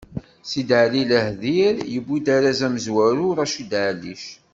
Sidali Lahdir yewwi arraz amezwaru Racid Ɛellic.